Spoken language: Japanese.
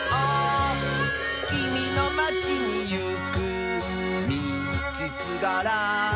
「きみのまちにいくみちすがら」